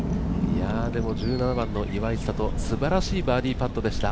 でも１７番の岩井千怜、すばらしいバーディーパットでした。